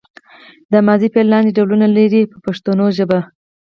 دا ماضي فعل لاندې ډولونه لري په پښتو ژبه.